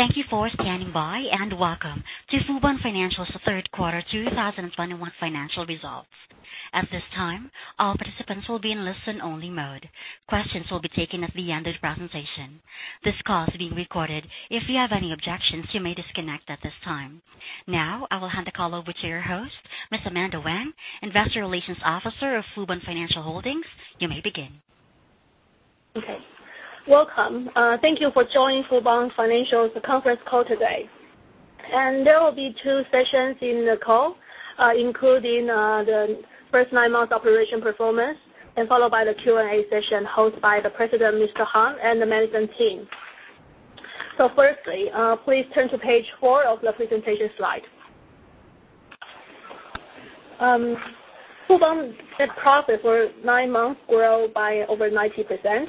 Thank you for standing by, and welcome to Fubon Financial's third quarter 2021 financial results. At this time, all participants will be in listen-only mode. Questions will be taken at the end of the presentation. This call is being recorded. If you have any objections, you may disconnect at this time. Now, I will hand the call over to your host, Ms. Amanda Wang, Investor Relations Officer of Fubon Financial Holdings. You may begin. Okay. Welcome. Thank you for joining Fubon Financial's conference call today. There will be two sessions in the call, including the first nine months operation performance, and followed by the Q&A session hosted by the President, Mr. Han, and the management team. Firstly, please turn to page four of the presentation slide. Fubon net profit for nine months grew by over 90%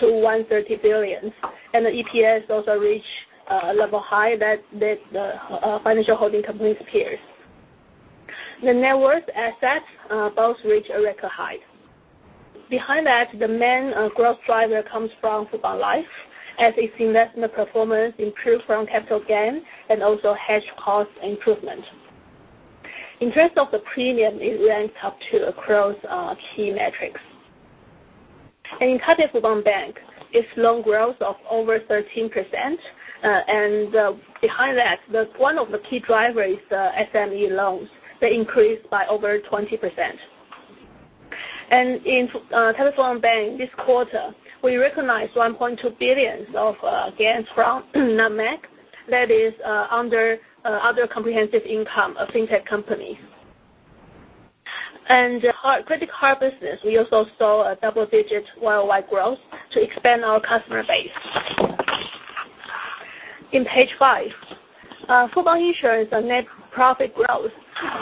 to 130 billion. The EPS also reached a level high that the financial holding company appears. The net worth assets both reached a record high. Behind that, the main growth driver comes from Fubon Life as its investment performance improved from capital gain and also hedge cost improvement. In terms of the premium, it ranks up to across key metrics. In Taipei Fubon Bank, its loan growth of over 13%, and behind that, one of the key drivers is the SME loans that increased by over 20%. In Taipei Fubon Bank this quarter, we recognized 1.2 billion of gains from NUMEC, that is under other comprehensive income of fintech companies. Credit card business, we also saw a double-digit year-over-year growth to expand our customer base. In page five, Fubon Insurance net profit growth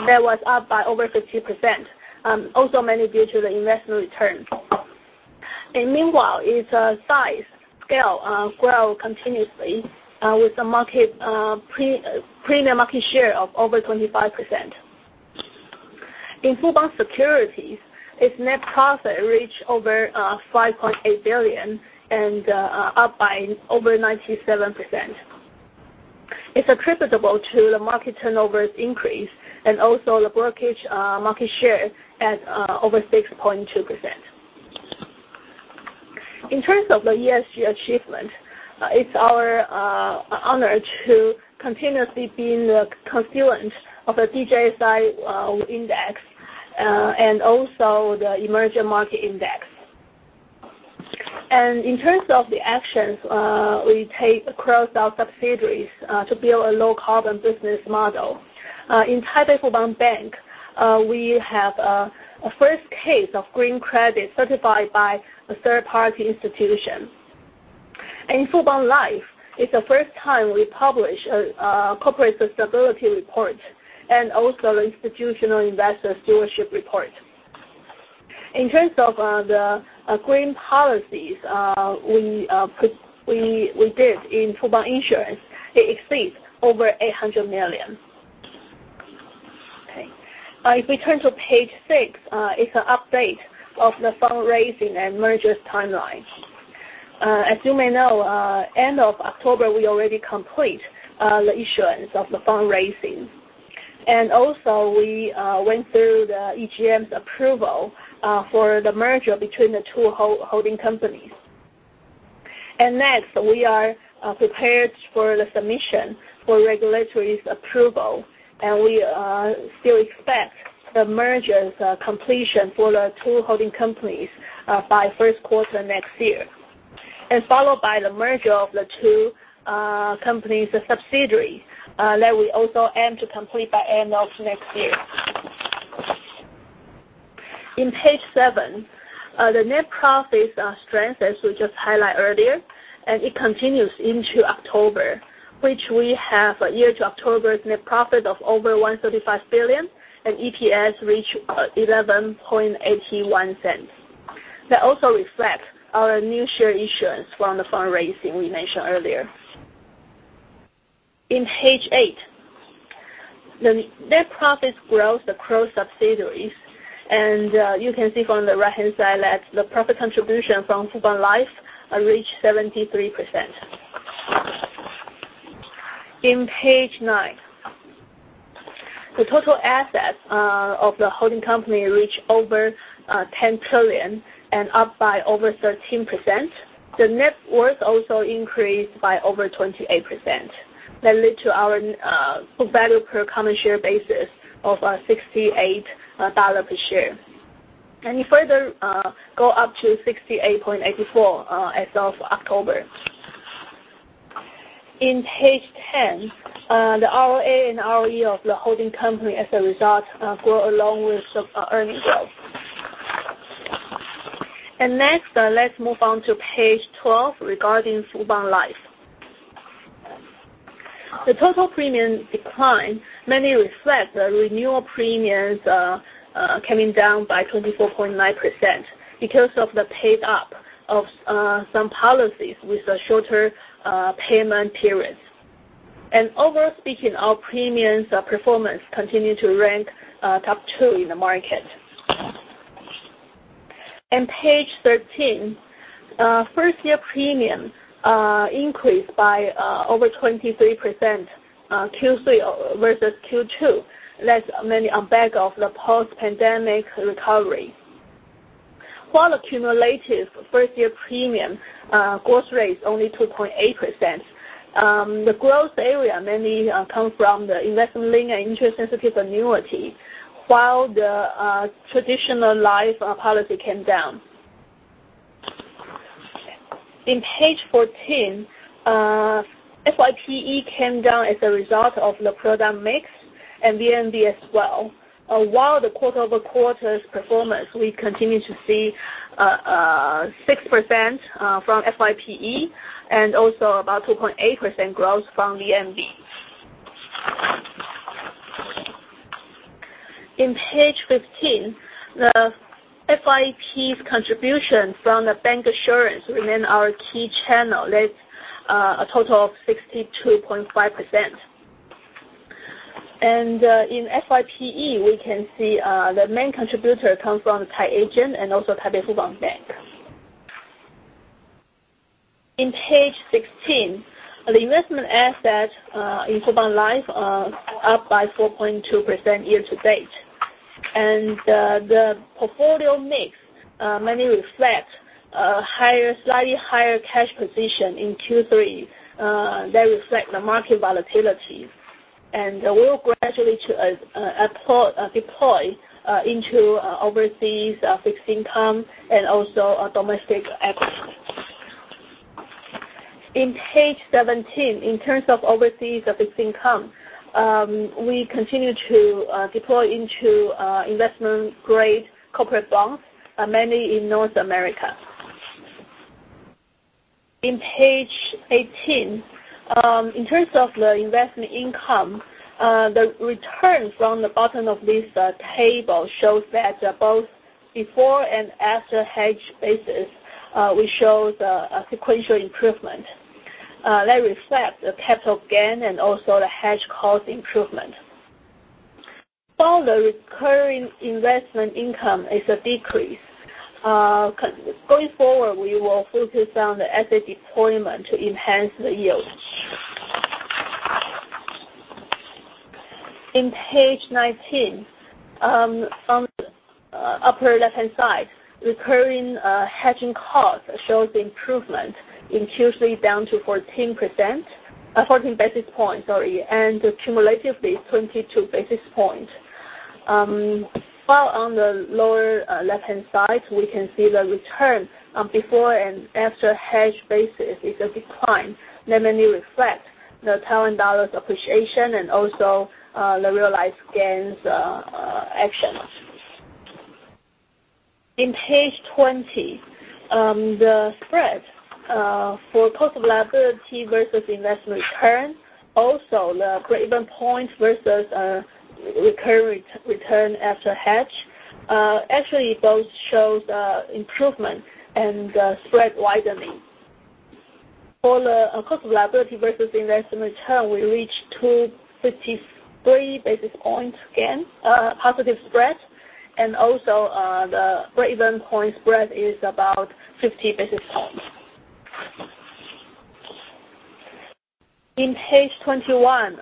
that was up by over 50%, also mainly due to the investment return. Meanwhile, its size scale grow continuously, with a premium market share of over 25%. In Fubon Securities, its net profit reached over 5.8 billion and up by over 97%. It's attributable to the market turnover increase and also the brokerage market share at over 6.2%. In terms of the ESG achievement, it's our honor to continuously be the constituent of the DJSI index, and also the emerging market index. In terms of the actions we take across our subsidiaries to build a low-carbon business model, in Taipei Fubon Bank, we have a first case of green credit certified by a third-party institution. In Fubon Life, it's the first time we publish a corporate sustainability report and also institutional investor stewardship report. In terms of the green policies we did in Fubon Insurance, it exceeds over 800 million. Okay. If we turn to page six, it's an update of the fundraising and mergers timeline. As you may know, end of October, we already complete the issuance of the fundraising. Also, we went through the EGM's approval for the merger between the two holding companies. Next, we are prepared for the submission for regulatory's approval, we still expect the merger's completion for the two holding companies by first quarter next year. Followed by the merger of the two companies, the subsidiaries that we also aim to complete by end of next year. In page seven, the net profits strengthen as we just highlight earlier, it continues into October, which we have a year to October net profit of over 135 billion and EPS reach 0.1181. That also reflects our new share issuance from the fundraising we mentioned earlier. In page eight, the net profits growth across subsidiaries, you can see from the right-hand side that the profit contribution from Fubon Life reached 73%. In page nine, the total assets of the holding company reach over 10 trillion and up by over 13%. The net worth also increased by over 28%. That lead to our book value per common share basis of 68 dollar per share. It further go up to 68.84 as of October. In page 10, the ROA and ROE of the holding company, as a result, grow along with some earning growth. Next, let's move on to page 12 regarding Fubon Life. The total premium decline mainly reflects the renewal premiums coming down by 24.9% because of the paid up of some policies with a shorter payment periods. Overall speaking, our premiums performance continue to rank top two in the market. Page 13, first-year premium increased by over 23% Q3 versus Q2. That's mainly on back of the post-pandemic recovery. While accumulated first-year premium growth rate is only 2.8%, the growth area mainly comes from the investment-linked and interest-sensitive annuity, while the traditional life policy came down. In page 14, FYPE came down as a result of the product mix and VNB as well. While the quarter-over-quarter performance, we continue to see 6% from FYPE and also about 2.8% growth from VNB. In page 15, the FYPE's contribution from the bank assurance remain our key channel. That's a total of 62.5%. In FYPE, we can see the main contributor comes from the tied agent and also Taipei Fubon Bank. In page 16, the investment asset in Fubon Life, up by 4.2% year-to-date. The portfolio mix mainly reflects a slightly higher cash position in Q3 that reflect the market volatility. We will gradually deploy into overseas fixed income and also domestic equities. In page 17, in terms of overseas fixed income, we continue to deploy into investment-grade corporate bonds, mainly in North America. In page 18, in terms of the investment income, the return from the bottom of this table shows that both before and after hedge basis, we show the sequential improvement. That reflects the capital gain and also the hedge cost improvement. While the recurring investment income is a decrease, going forward, we will focus on the asset deployment to enhance the yield. In page 19, on the upper left-hand side, recurring hedging cost shows improvement in Q3 down to 14 basis points, and cumulatively, 22 basis points. While on the lower left-hand side, we can see the return before and after hedge basis is a decline that mainly reflects the TWD's appreciation and also the realized gains actions. In page 20, the spread for cost of liability versus investment return, also the break-even point versus recurring return after hedge, actually both shows improvement and spread widening. For the cost of liability versus investment return, we reached 253 basis points gain, positive spread, the break-even point spread is about 50 basis points. In page 21,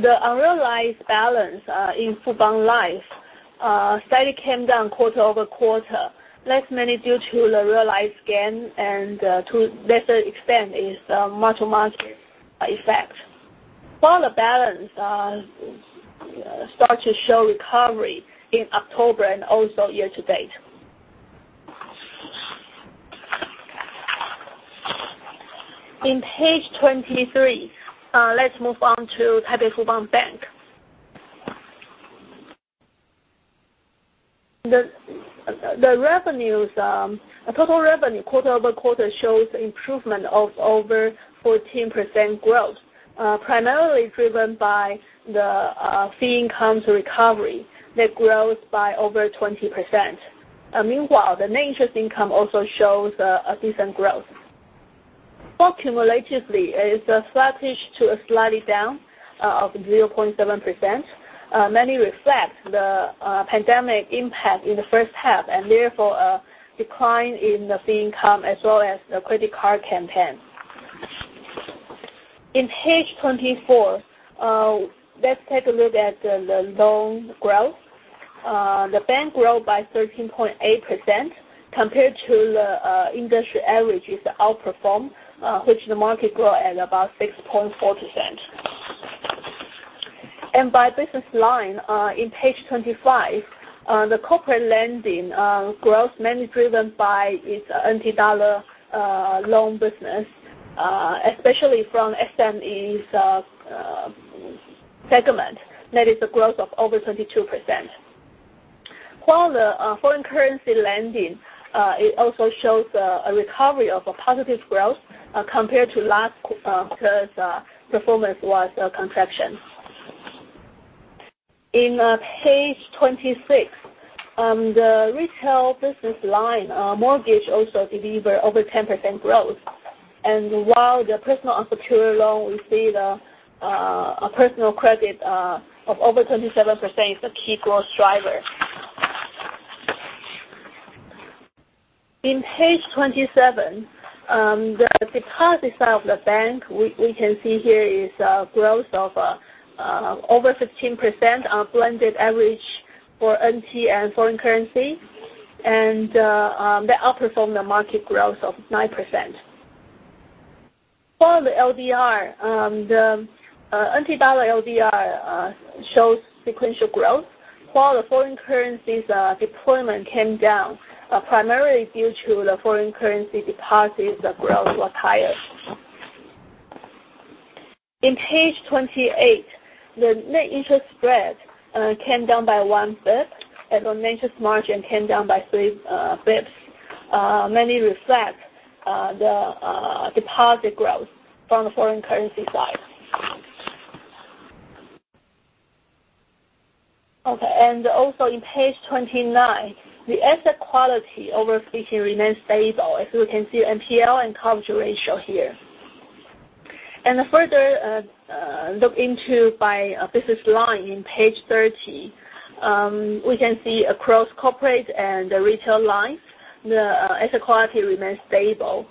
the unrealized balance in Fubon Life slightly came down quarter-over-quarter. That's mainly due to the realized gain and to a lesser extent is a month-to-month effect. The balance starts to show recovery in October and also year-to-date. In page 23, let's move on to Taipei Fubon Bank. The total revenue quarter-over-quarter shows improvement of over 14% growth, primarily driven by the fee income recovery that grows by over 20%. The net interest income also shows a decent growth. Cumulatively, it is a slight edge to a slightly down of 0.7%, mainly reflects the pandemic impact in the first half and therefore a decline in the fee income as well as the credit card campaign. In page 24, let's take a look at the loan growth. The bank grew by 13.8% compared to the industry average is outperformed, which the market grew at about 6.4%. By business line, in page 25, the corporate lending growth mainly driven by its NT dollar loan business, especially from SMEs segment, that is a growth of over 22%. The foreign currency lending, it also shows a recovery of a positive growth compared to last quarter's performance was a contraction. In page 26, the retail business line mortgage also delivered over 10% growth. The personal unsecured loan, we see the personal credit of over 27% is the key growth driver. In page 27, the deposit side of the bank, we can see here is a growth of over 15% on blended average for NT and foreign currency, and they outperform the market growth of 9%. For the LDR, the NT dollar LDR shows sequential growth, while the foreign currency's deployment came down, primarily due to the foreign currency deposits, the growth was higher. In page 27, the deposit side of the bank, we can see here is a growth of over 15% on blended average for NT and foreign currency, and they outperform the market growth of 9%. For the LDR, the NT dollar LDR shows sequential growth, while the foreign currency's deployment came down, primarily due to the foreign currency deposits, the growth was higher. In page 28, the net interest spread came down by one bip, and the net interest margin came down by three bips, mainly reflect the deposit growth from the foreign currency side. In page 29, the asset quality over remains stable. As you can see, NPL and coverage ratio here. Further look into by business line in page 30, we can see across corporate and the retail lines, the asset quality remains stable.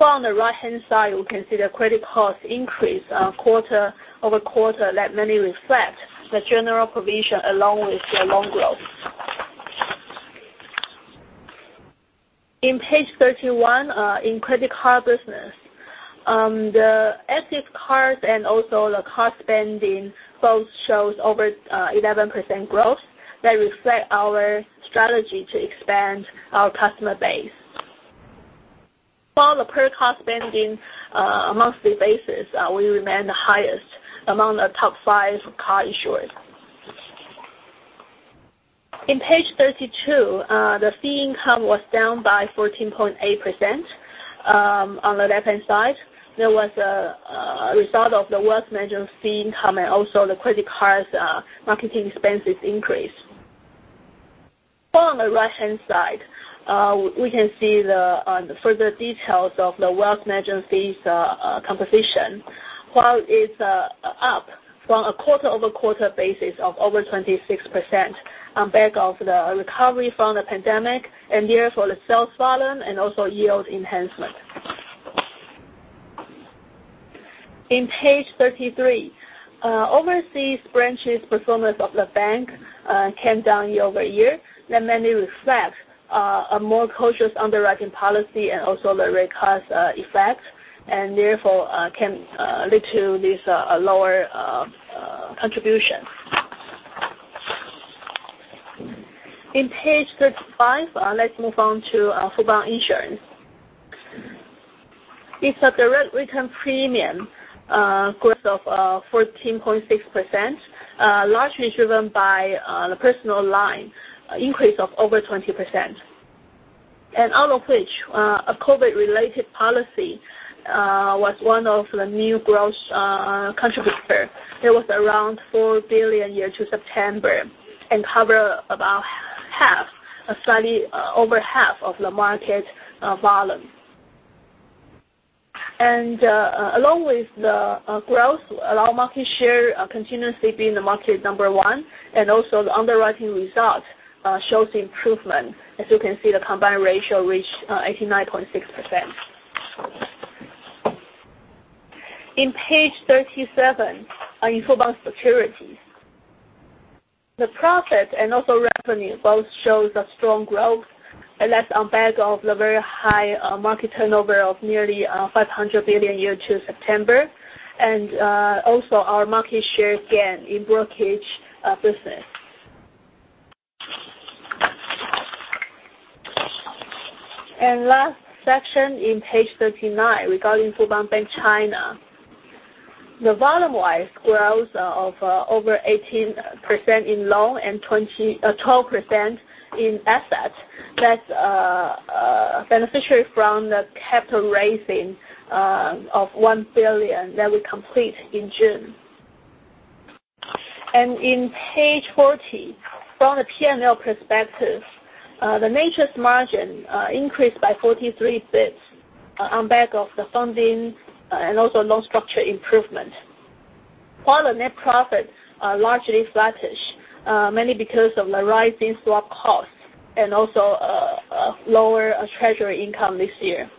On the right-hand side, we can see the credit cost increase quarter-over-quarter that mainly reflect the general provision along with the loan growth. In page 31, in credit card business, the active cards and also the card spending both shows over 11% growth that reflect our strategy to expand our customer base. While the per card spending monthly basis, we remain the highest among the top five card issuers. In page 32, the fee income was down by 14.8% on the left-hand side. That was a result of the wealth management fee income and also the credit card's marketing expenses increase. While on the right-hand side, we can see the further details of the wealth management fees composition, while it's up from a quarter-over-quarter basis of over 26% on back of the recovery from the pandemic, and therefore the sales volume and also yield enhancement. In page 33, overseas branches performance of the bank came down year-over-year. That mainly reflects a more cautious underwriting policy and also the rate cuts effect and therefore can lead to this lower contribution. In page 35, let's move on to Fubon Insurance. It's a direct return premium growth of 14.6%, largely driven by the personal line increase of over 20%. And out of which, a COVID-related policy was one of the new growth contributor. That was around 4 billion year to September and cover slightly over half of the market volume. And along with the growth, our market share continuously being the market number one and also the underwriting result shows improvement. As you can see, the combined ratio reached 89.6%. In page 37, in Fubon Securities, the profit and also revenue both shows a strong growth. That's on back of the very high market turnover of nearly 500 billion year to September, and also our market share gain in brokerage business. Last section in page 39, regarding Fubon Bank China. The volume-wise growth of over 18% in loan and 12% in assets, that's beneficiary from the capital raising of 1 billion that we complete in June. In page 40, from the P&L perspective, the net interest margin increased by 43 basis points on back of the funding and also loan structure improvement, while the net profits are largely flattish, mainly because of the rising swap costs and also a lower treasury income this year.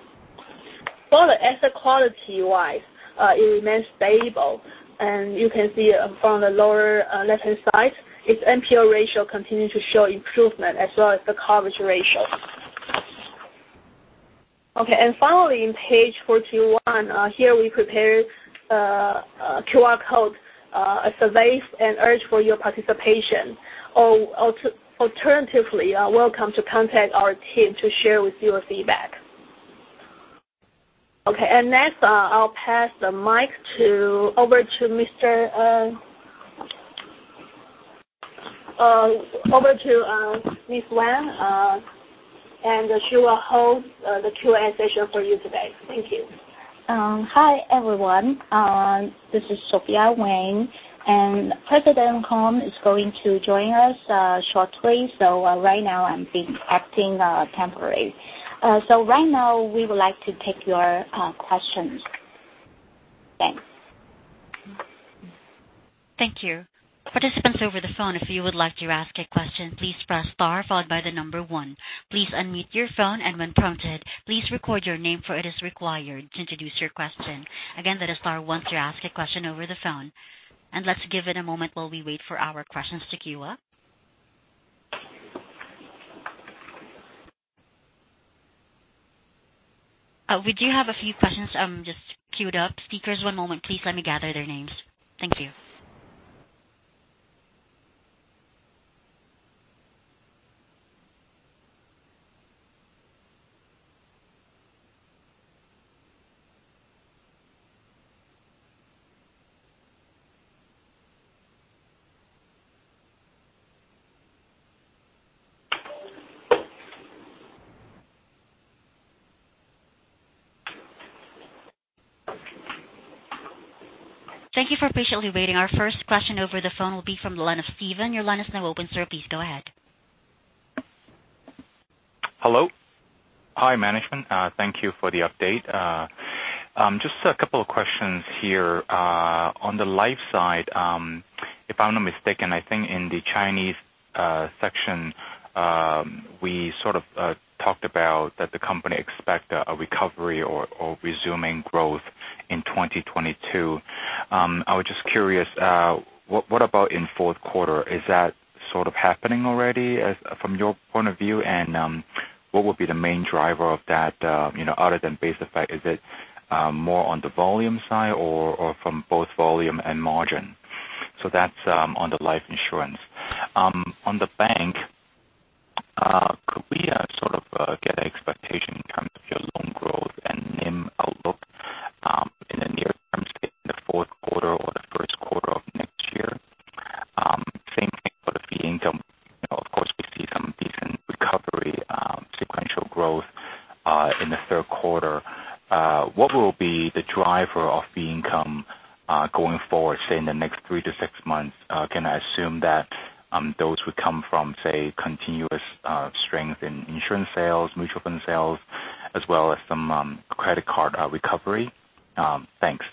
While the asset quality-wise, it remains stable, and you can see from the lower left-hand side, its NPL ratio continue to show improvement as well as the coverage ratio. Okay, and finally, in page 41, here we prepared a QR code, a survey, and urge for your participation. Or alternatively, welcome to contact our team to share with your feedback. Okay, and next, I'll pass the mic over to Miss Wang, and she will host the Q&A session for you today. Thank you. Hi, everyone. This is Sophia Wang, President Kum is going to join us shortly. Right now, I'm acting temporary. Right now, we would like to take your questions. Thanks. Thank you. Participants over the phone, if you would like to ask a question, please press star followed by 1. Please unmute your phone, and when prompted, please record your name, for it is required to introduce your question. Again, that is star 1 to ask a question over the phone. Let's give it a moment while we wait for our questions to queue up. We do have a few questions just queued up. Speakers, one moment please. Let me gather their names. Thank you. Thank you for patiently waiting. Our first question over the phone will be from the line of Steven. Your line is now open, sir. Please go ahead. Hello. Hi, management. Thank you for the update. Just a couple of questions here. On the life side, if I'm not mistaken, I think in the Chinese section, we sort of talked about that the company expect a recovery or resuming growth in 2022. I was just curious, what about in Q4? Is that sort of happening already from your point of view? What would be the main driver of that other than base effect? Is it more on the volume side or from both volume and margin? That's on the life insurance. On the bank, could we sort of get an expectation in terms of your loan growth and NIM outlook, in the near term, say in Q4 or Q1 of next year? Same thing for the fee income. Of course, we see some decent recovery, sequential growth, in Q3. What will be the driver of fee income, going forward, say, in the next 3 to 6 months? Can I assume that those would come from, say, continuous strength in insurance sales, mutual fund sales, as well as some credit card recovery? Thanks.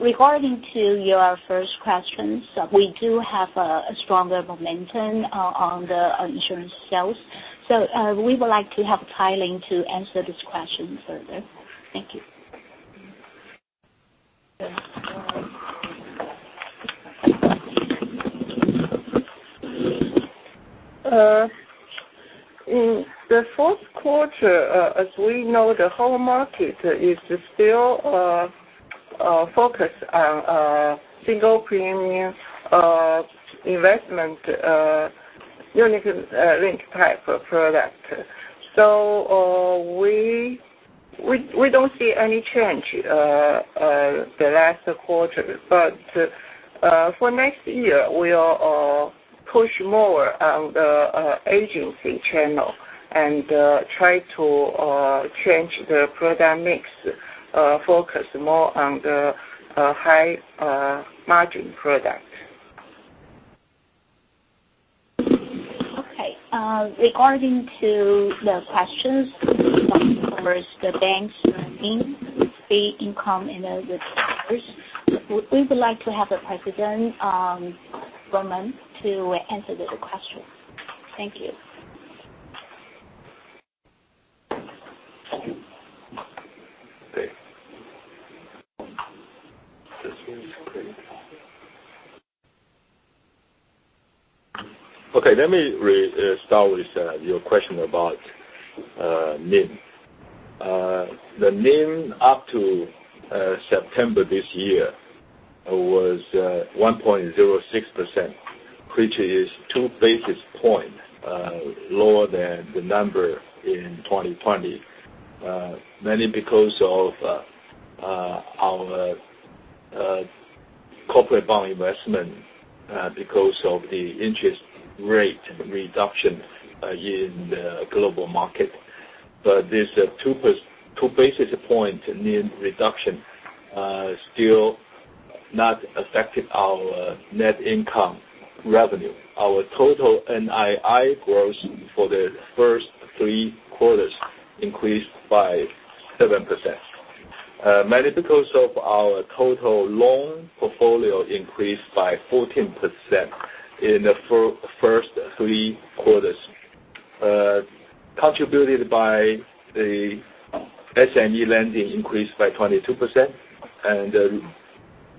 Regarding to your first questions, we do have a stronger momentum on the insurance sales. We would like to have Tailing to answer this question further. Thank you. In the fourth quarter, as we know, the whole market is still focused on single premium investment, unit-linked type of product. We don't see any change the last quarter. For next year, we are push more on the agency channel and try to change the product mix, focus more on the high margin product. Okay. Regarding to the questions towards the banks, NIM, fee income and the we would like to have the President, Roman, to answer the question. Thank you. Okay. This one is pretty loud. Okay, let me start with your question about NIM. The NIM up to September this year was 1.06%, which is two basis point lower than the number in 2020. Mainly because of our corporate bond investment, because of the interest rate reduction in the global market. This two basis point NIM reduction still not affected our net income revenue. Our total NII growth for the first three quarters increased by 7%. Mainly because of our total loan portfolio increased by 14% in the first three quarters. Contributed by the SME lending increased by 22%, and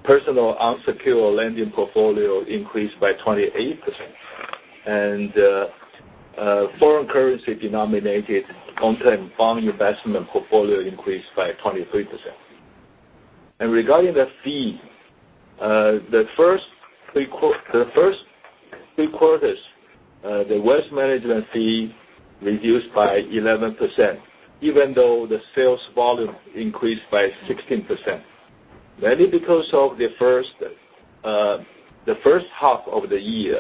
personal unsecured lending portfolio increased by 28%. Foreign currency denominated corporate bond investment portfolio increased by 23%. Regarding the fee, the first three quarters, the wealth management fee reduced by 11%, even though the sales volume increased by 16%. Mainly because of the first half of the year,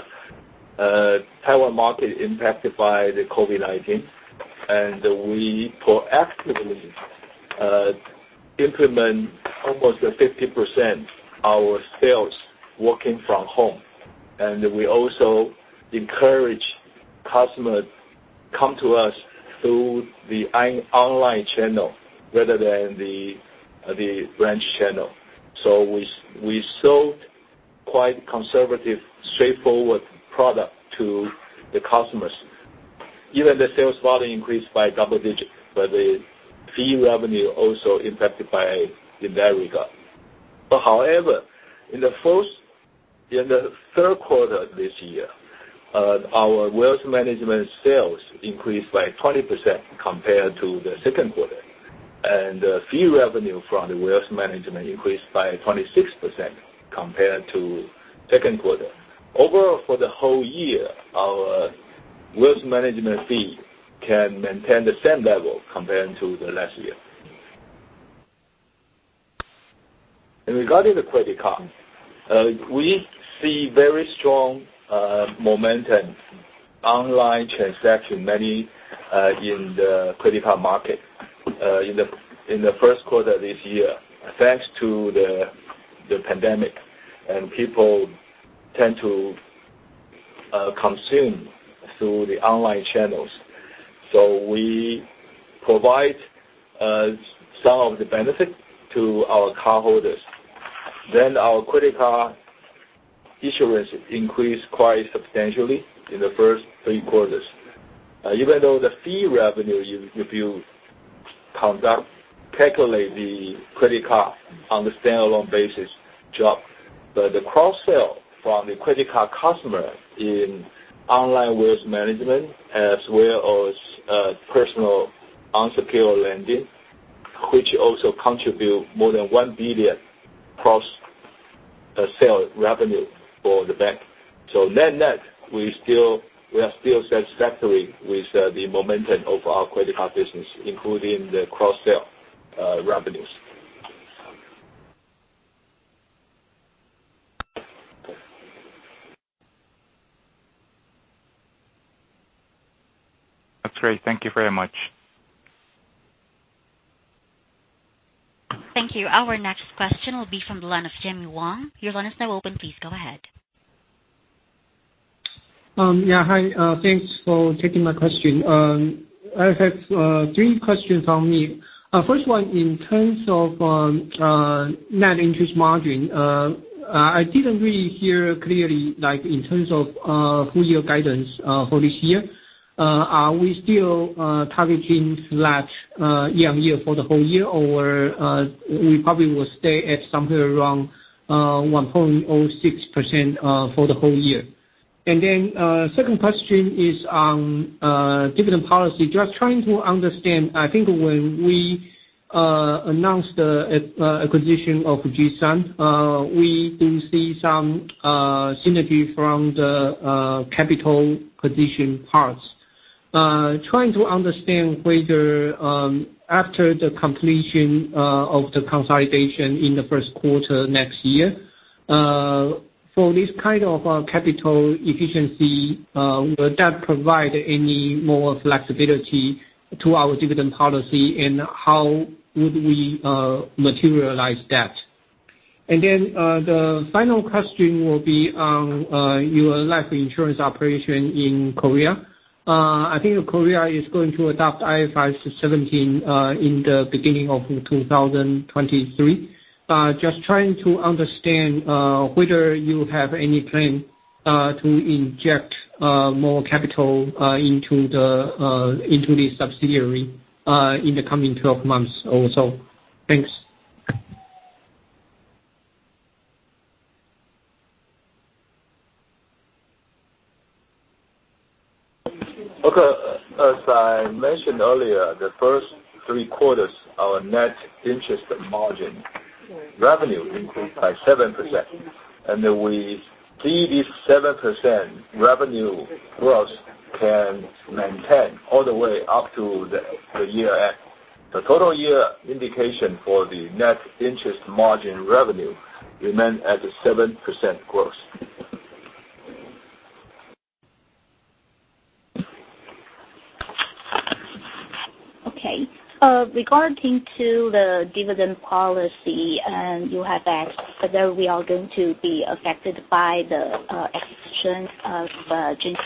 Taiwan market impacted by the COVID-19, and we proactively implement almost 50% our sales working from home. We also encourage customers Come to us through the online channel rather than the branch channel. We sold quite conservative, straightforward product to the customers. Even the sales volume increased by double digit, but the fee revenue also impacted in that regard. However, in the third quarter of this year, our wealth management sales increased by 20% compared to the second quarter, and fee revenue from the wealth management increased by 26% compared to second quarter. Overall, for the whole year, our wealth management fee can maintain the same level compared to the last year. Regarding the credit card, we see very strong momentum online transaction, many in the credit card market in the first quarter this year, thanks to the pandemic. People tend to consume through the online channels. We provide some of the benefit to our cardholders. Our credit card issuance increased quite substantially in the first three quarters. Even though the fee revenue, if you calculate the credit card on the standalone basis dropped, the cross-sell from the credit card customer in online wealth management as well as personal unsecured lending, which also contribute more than 1 billion cross-sale revenue for the bank. Net, we are still satisfied with the momentum of our credit card business, including the cross-sale revenues. That's great. Thank you very much. Thank you. Our next question will be from the line of Jimmy Wong. Your line is now open. Please go ahead. Hi. Thanks for taking my question. I have three questions on me. First one, in terms of net interest margin, I didn't really hear clearly, in terms of full year guidance for this year. Are we still targeting flat year-on-year for the whole year, or we probably will stay at somewhere around 1.06% for the whole year? Second question is on dividend policy. Just trying to understand, I think when we announced the acquisition of Jih Sun, we do see some synergy from the capital position parts. Trying to understand whether after the completion of the consolidation in the first quarter next year, for this kind of capital efficiency, will that provide any more flexibility to our dividend policy, and how would we materialize that? The final question will be on your life insurance operation in Korea. I think Korea is going to adopt IFRS 17 in the beginning of 2023. Just trying to understand whether you have any plan to inject more capital into the subsidiary in the coming 12 months or so. Thanks. Okay. As I mentioned earlier, the first three quarters, our net interest margin revenue increased by 7%. We see this 7% revenue growth can maintain all the way up to the year end. The total year indication for the net interest margin revenue remains at 7% growth. Okay. Regarding to the dividend policy, you have asked whether we are going to be affected by the acquisition of Jih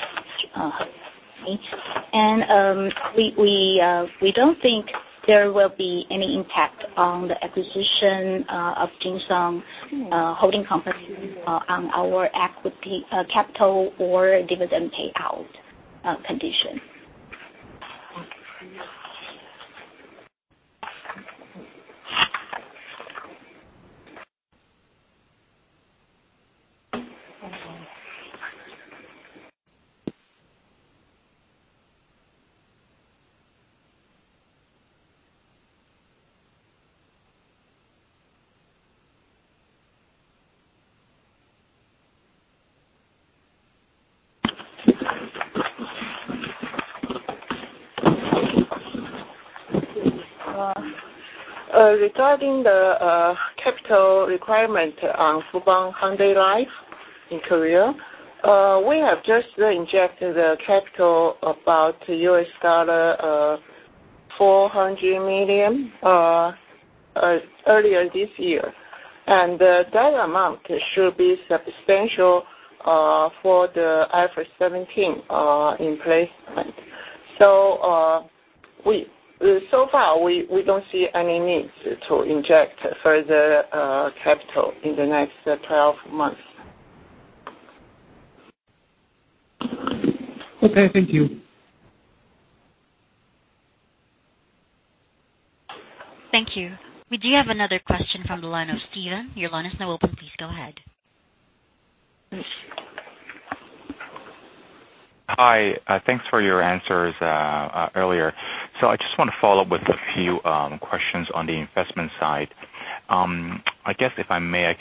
Sun. We don't think there will be any impact on the acquisition of Jih Sun Financial Holding on our equity capital or dividend payout condition. Regarding the capital requirement on Fubon Hyundai Life in Korea, we have just injected the capital about $400 million. Earlier this year, that amount should be substantial for the F17 placement. So far, we don't see any need to inject further capital in the next 12 months. Okay, thank you. Thank you. We do have another question from the line of Steven. Your line is now open, please go ahead. Hi, thanks for your answers earlier. I just want to follow up with a few questions on the investment side. I guess if I may, I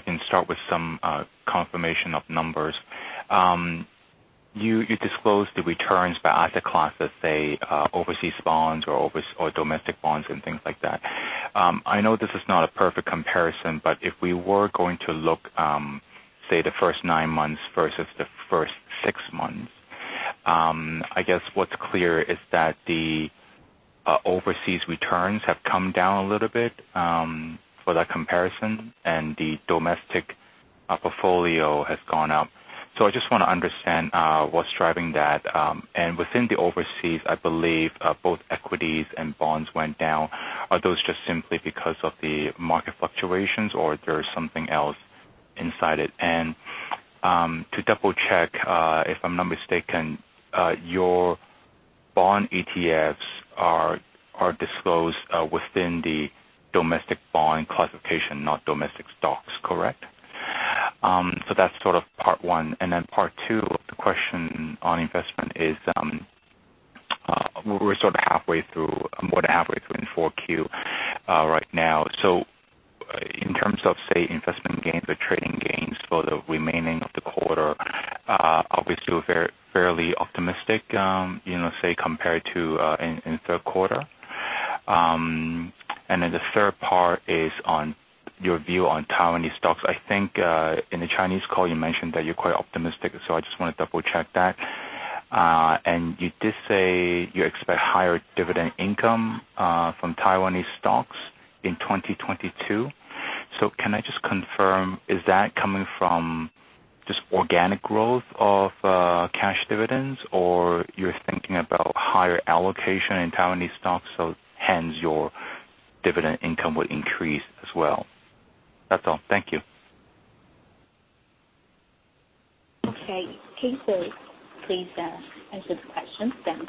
can start with some confirmation of numbers. You disclose the returns by asset class, let's say overseas bonds or domestic bonds and things like that. I know this is not a perfect comparison, but if we were going to look, say the first nine months versus the first six months, I guess what's clear is that the overseas returns have come down a little bit for that comparison, the domestic portfolio has gone up. I just want to understand what's driving that. Within the overseas, I believe both equities and bonds went down. Are those just simply because of the market fluctuations, or is there something else inside it? To double-check, if I'm not mistaken, your bond ETFs are disclosed within the domestic bond classification, not domestic stocks, correct? That's sort of part one. Then part two of the question on investment is, we're sort of more than halfway through in 4Q right now. In terms of, say, investment gains or trading gains for the remaining of the quarter, are we still fairly optimistic, say, compared to in third quarter? Then the third part is on your view on Taiwanese stocks. I think in the Chinese call you mentioned that you're quite optimistic, so I just want to double-check that. You did say you expect higher dividend income from Taiwanese stocks in 2022. Can I just confirm, is that coming from just organic growth of cash dividends, or you're thinking about higher allocation in Taiwanese stocks, so hence your dividend income will increase as well? That's all. Thank you. Okay. Casey, please answer the questions. Thanks. Okay. Because your questions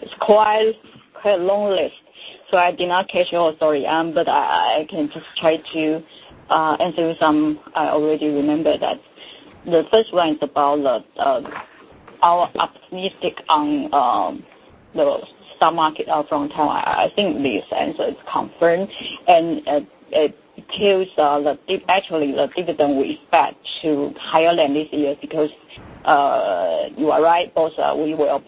it's quite long list, so I did not catch your story. I can just try to answer some I already remember that. The first one is about our optimistic on the stock market from Taiwan. I think the answer is confirmed, and it's actually the dividend we expect to higher than this year because, you are right, also we will have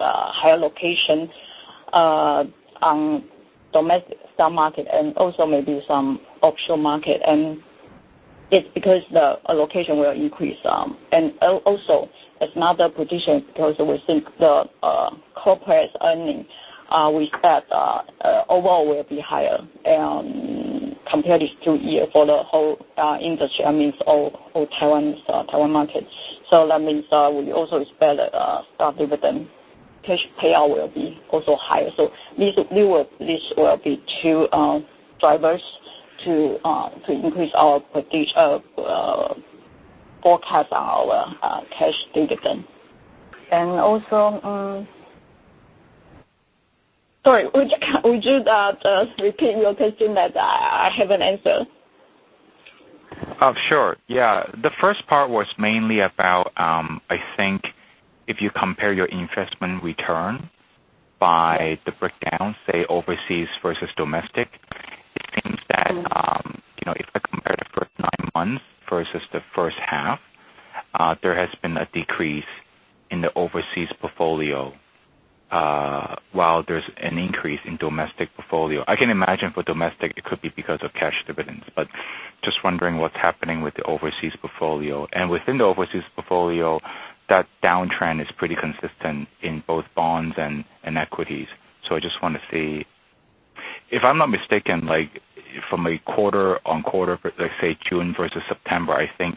a higher location on domestic stock market and also maybe some offshore market, and it's because the allocation will increase. Also it's not the prediction because we think the corporate earnings we expect overall will be higher compared to two year for the whole industry, that means all Taiwan markets. That means we also expect stock dividend payout will be also higher. These will be two drivers to increase our forecast on our cash dividend. Sorry, would you just repeat your question that I haven't answered? Sure. Yeah. The first part was mainly about, I think if you compare your investment return by the breakdown, say, overseas versus domestic, it seems that if I compare the first nine months versus the first half, there has been a decrease in the overseas portfolio while there's an increase in domestic portfolio. I can imagine for domestic, it could be because of cash dividends, but just wondering what's happening with the overseas portfolio. Within the overseas portfolio, that downtrend is pretty consistent in both bonds and equities. I just want to see. If I'm not mistaken, from a quarter-on-quarter, let's say June versus September, I think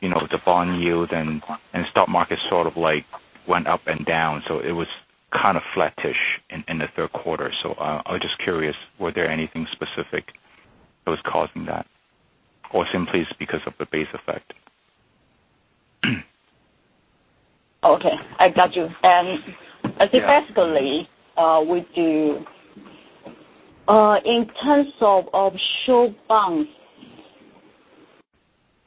the bond yield and stock market sort of went up and down, so it was kind of flattish in the third quarter. I was just curious, were there anything specific that was causing that, or simply it's because of the base effect? Okay, I got you. I think basically, in terms of offshore bonds,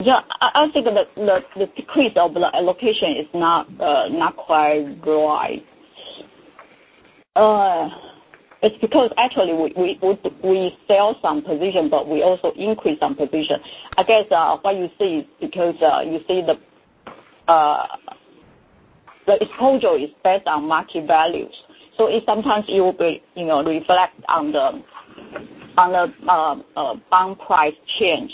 I think the decrease of the allocation is not quite right. It's because actually we sell some position, but we also increase some position. I guess what you see is because the exposure is based on market values. Sometimes it will reflect on the bond price change.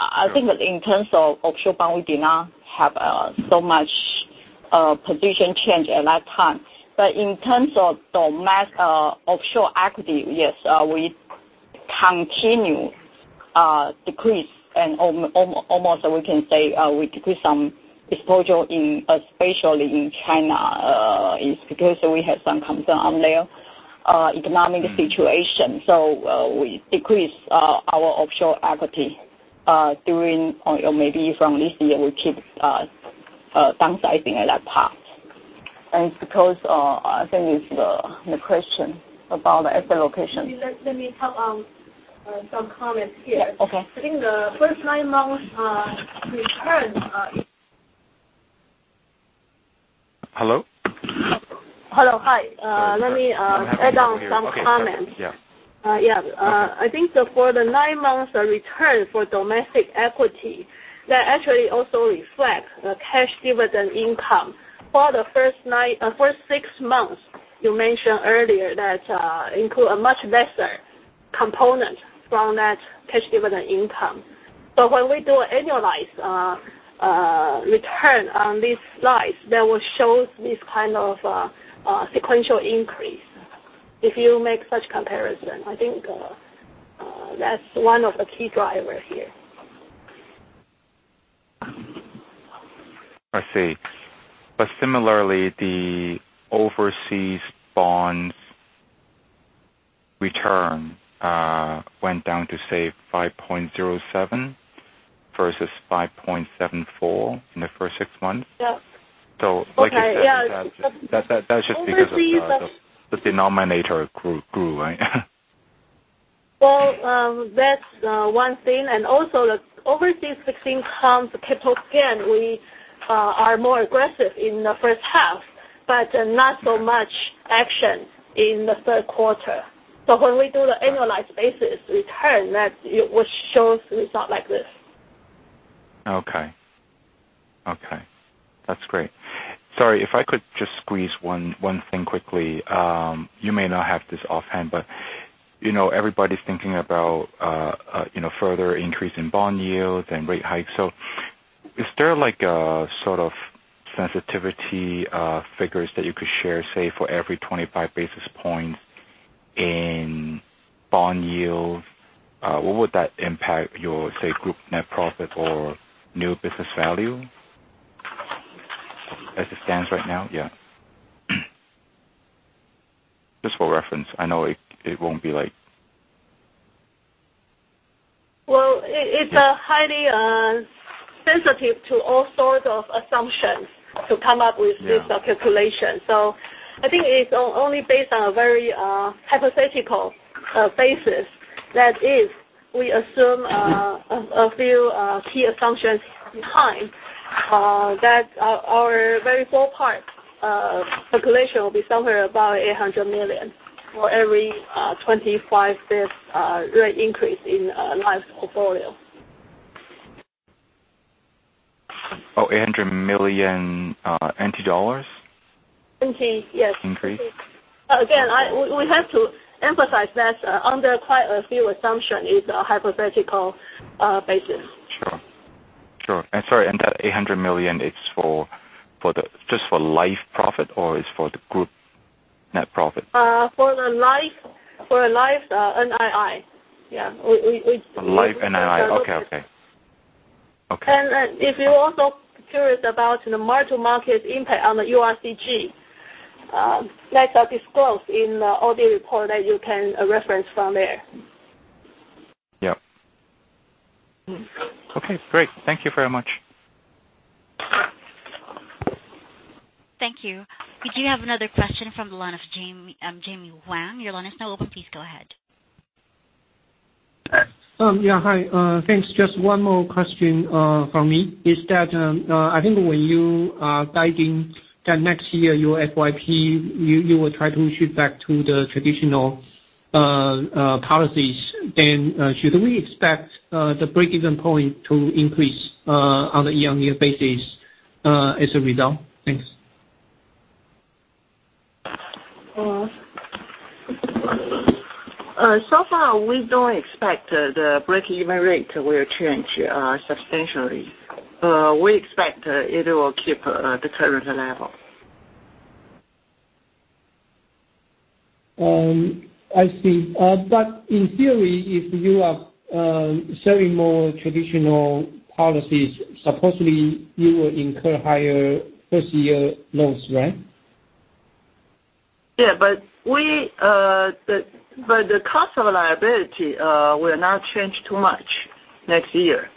I think that in terms of offshore bond, we do not have so much position change at that time. In terms of the offshore equity, yes, we continue decrease and almost we can say we decrease some exposure especially in China, is because we have some concern on their economic situation. We decrease our offshore equity during, or maybe from this year, we keep downsizing at that part. It's because I think it's the question about asset allocation. Let me add some comments here. Yeah. Okay. I think the first nine months return. Hello? Hello. Hi. Let me add on some comments. Okay. Yeah. Yeah. I think for the nine months of return for domestic equity, that actually also reflects the cash dividend income for the first six months. You mentioned earlier that include a much lesser component from that cash dividend income. When we do annualized return on these slides, that will show this kind of sequential increase if you make such comparison. I think that's one of the key drivers here. I see. Similarly, the overseas bonds return went down to, say, 5.07 versus 5.74 in the first six months. Yeah. Like you said. Okay. Yeah that's just because of the denominator grew, right? Well, that's one thing, and also the overseas fixed income capital gain, we are more aggressive in the first half, but not so much action in the third quarter. When we do the annualized basis return, that it will show result like this. Okay. That's great. Sorry, if I could just squeeze one thing quickly. You may not have this offhand, but everybody's thinking about further increase in bond yields and rate hikes. Is there a sort of sensitivity figures that you could share, say, for every 25 basis points in bond yields? What would that impact your, say, group net profit or new business value as it stands right now? Yeah. Just for reference. I know it won't be like Well, it's highly sensitive to all sorts of assumptions to come up with this calculation. Yeah. I think it's only based on a very hypothetical basis. That is, we assume a few key assumptions behind that our very full part calculation will be somewhere about 800 million for every 25 basis points rate increase in life portfolio. Oh, 800 million NT dollars? TWD, yes. Increase. We have to emphasize that under quite a few assumptions it's a hypothetical basis. Sure. Sorry, and that 800 million, it's just for Life profit or it's for the group net profit? For the Life NII. Yeah. Life NII. Okay. If you're also curious about the mark-to-market impact on the URCG, that is disclosed in the audit report that you can reference from there. Yep. Okay, great. Thank you very much. Thank you. We do have another question from the line of Jimmy Wong. Your line is now open. Please go ahead. Yeah, hi. Thanks. Just one more question from me, is that I think when you are guiding that next year your FYP, you will try to shift back to the traditional policies. Should we expect the break-even point to increase on a year-on-year basis as a result? Thanks. We don't expect the break-even rate will change substantially. We expect it will keep the current level. I see. In theory, if you are selling more traditional policies, supposedly you will incur higher first year loads, right? Yeah, the cost of liability will not change too much next year.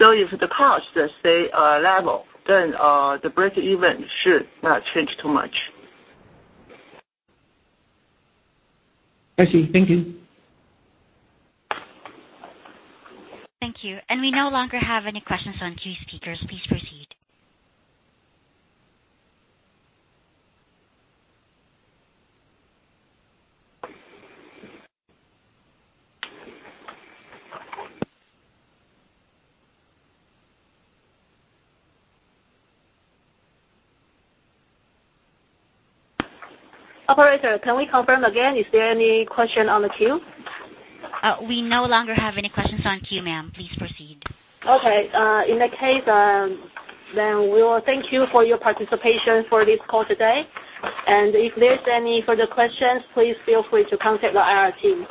If the costs stay level, the break-even should not change too much. I see. Thank you. Thank you. We no longer have any questions on queue, speakers. Please proceed. Operator, can we confirm again? Is there any question on the queue? We no longer have any questions on queue, ma'am. Please proceed. Okay. In that case, we will thank you for your participation for this call today. If there's any further questions, please feel free to contact the IR team.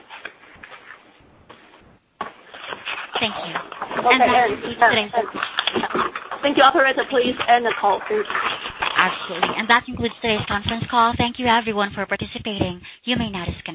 Thank you. Okay. That concludes. Thank you, operator. Please end the call, please. Actually, that concludes today's conference call. Thank you everyone for participating. You may now disconnect.